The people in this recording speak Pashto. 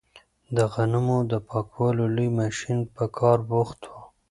د غنمو د پاکولو لوی ماشین په کار بوخت و.